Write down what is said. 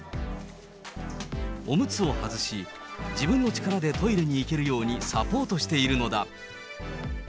おむつを外し自分の力でトイレに行けるようにサポートしているのだ。